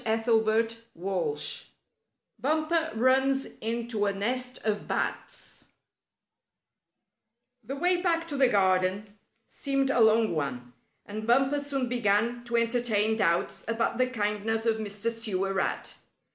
STORY VIII BUMPER RUNS INTO A NEST OF BATS The way back to the garden seemed a long one, and Bumper soon began to entertain doubts about the kindness of Mr. Sewer Rat.